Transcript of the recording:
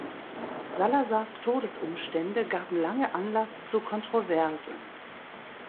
Salazars Todesumstände gaben lange Anlass zu Kontroversen.